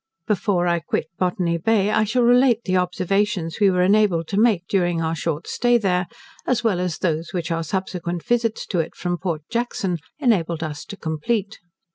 Before I quit Botany Bay, I shall relate the observations we were enabled to make during our short stay there; as well as those which our subsequent visits to it from Port Jackson enabled us to complete.